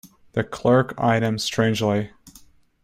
The clerk eyed him strangely.